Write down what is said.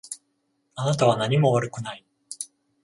あなたは何も悪くない。